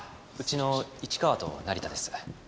うちの市川と成田です。